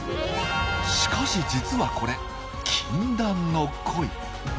しかし実はこれ禁断の恋。